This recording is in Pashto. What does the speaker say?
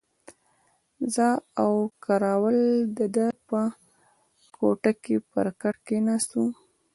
زه او کراول د ده په کوټه کې پر کټ کښېناستو.